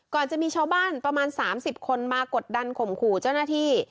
จะมีชาวบ้านประมาณ๓๐คนมากดดันข่มขู่เจ้าหน้าที่